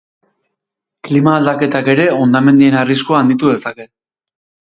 Klima aldaketak ere hondamendien arriskua handitu dezake.